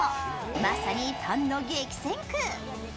まさにパンの激戦区。